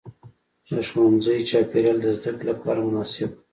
د ښوونځي چاپېریال د زده کړې لپاره مناسب و.